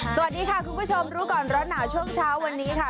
สวัสดีค่ะคุณผู้ชมรู้ก่อนร้อนหนาวช่วงเช้าวันนี้ค่ะ